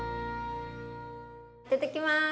いただきます！